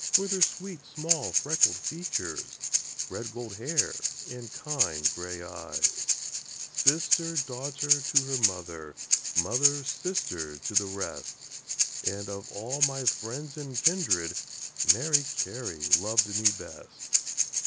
With her sweet small freckled features, Red gold hair, and kind grey eyes; Sister, daughter, to her mother, Mother, sister, to the rest And of all my friends and kindred, Mary Carey loved me best.